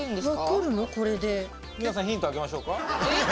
皆さんヒントあげましょうか？